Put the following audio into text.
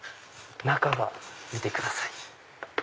中が見てください。